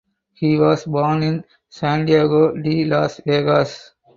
He was born in Santiago de Las Vegas.